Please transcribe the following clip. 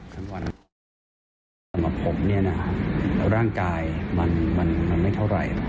สำหรับผมร่างกายมันไม่เท่าไร